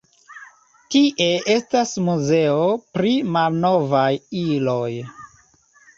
Tie estas muzeo pri malnovaj iloj.